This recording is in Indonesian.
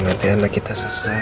hati hati anak kita sesat